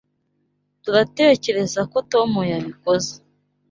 turatekerezako Tom yabikoze.